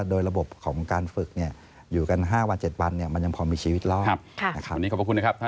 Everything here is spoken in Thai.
โดยระบบของการฝึกอยู่กัน๕วัน๗วันมันยังพอมีชีวิตรอดนะครับ